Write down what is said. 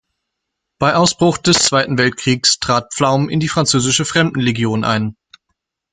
Bei Ausbruch des Zweiten Weltkriegs trat Pflaum in die französische Fremdenlegion ein.